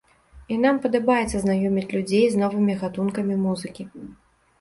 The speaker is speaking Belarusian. І нам падабаецца знаёміць людзей з новымі гатункамі музыкі.